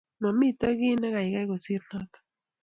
Mamito kiy ne kaikai kosir notok